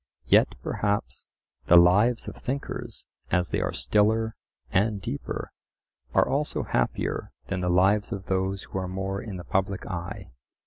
Yet perhaps the lives of thinkers, as they are stiller and deeper, are also happier than the lives of those who are more in the public eye.